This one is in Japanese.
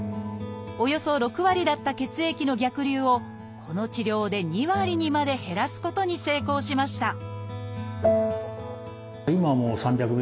およそ６割だった血液の逆流をこの治療で２割にまで減らすことに成功しました！